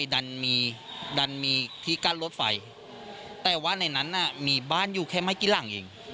ดันมีที่กั้นรถไฟแต่ว่าในนั้นมีบ้านอยู่แค่ไม้กิรั่งเอง